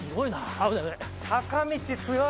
危ない！